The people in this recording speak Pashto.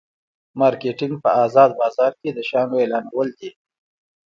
مارکیټینګ په ازاد بازار کې د شیانو اعلانول دي.